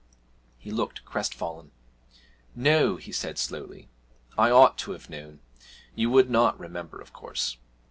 He looked crestfallen. 'No,' he said slowly, 'I ought to have known you would not remember, of course.